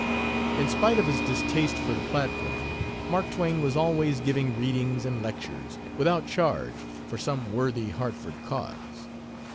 In spite of his distaste for the platform Mark Twain was always giving readings and lectures, without charge, for some worthy Hartford cause.